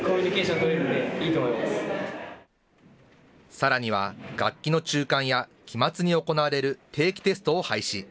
さらには、学期の中間や期末に行われる定期テストを廃止。